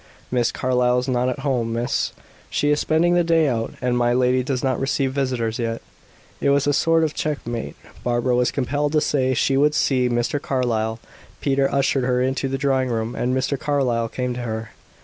"Miss Carlyle is not at home, miss. She is spending the day out; and my lady does not receive visitors yet." It was a sort of checkmate. Barbara was compelled to say she would see Mr. Carlyle. Peter ushered her into the drawing room, and Mr. Carlyle came to her.